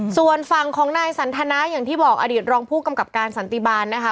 ส่วนฝั่งของนายสันทนาอย่างที่บอกอดีตรองผู้กำกับการสันติบาลนะคะ